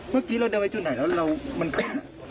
เมื่อกี้เราเดินไปจุดไหนแล้วมันก็